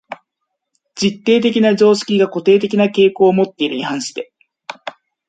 実定的な常識が固定的な傾向をもっているに反して、